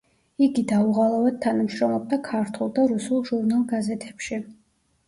იგი დაუღალავად თანამშრომლობდა ქართულ და რუსულ ჟურნალ–გაზეთებში.